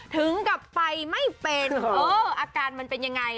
ถึงกับไปไม่เป็นเอออาการมันเป็นยังไง